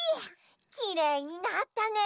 きれいになったね！